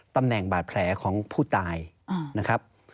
ตำแหน่งบาดแผลของผู้ตายนะครับ